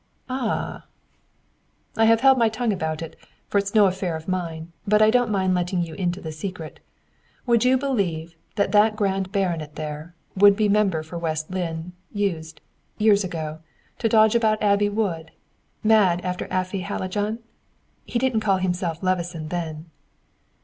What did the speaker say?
"Ah!" "I have held my tongue about it, for it's no affair of mine, but I don't mind letting you into the secret. Would you believe that that grand baronet there, would be member for West Lynne, used, years ago, to dodge about Abbey Wood, mad after Afy Hallijohn? He didn't call himself Levison then."